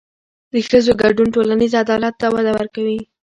د ښځو ګډون ټولنیز عدالت ته وده ورکوي.